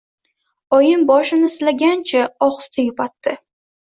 Oyim boshimni silagancha, ohista yupatdi.